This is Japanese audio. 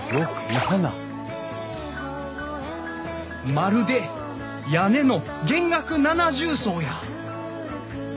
まるで屋根の弦楽七重奏や！